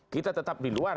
kita tetap di luar